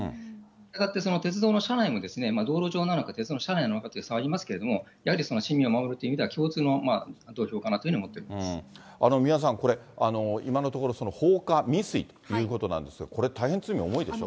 したがって、鉄道の車内も道路上なのか、車内なのかってありますけども、やはり市民を守るという意味では、共通の情報かなというふうに思って三輪さん、これ、今のところ、放火未遂ということなんですが、これ、大変積み重いでしょ？